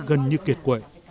đã gần như kiệt quẩy